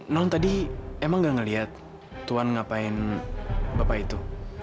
non tadi emang gak ngeliat tuhan ngapain bapak itu